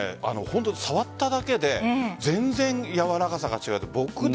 触っただけで全然やわらかさが違う。